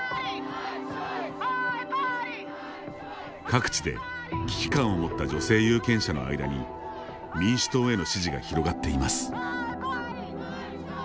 各地で危機感を持った女性有権者の間に民主党への支持が広がっています。